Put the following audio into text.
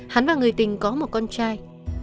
hắn và người tình có một con trai